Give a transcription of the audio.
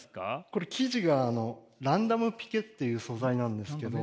これ生地がランダムピケっていう素材なんですけど。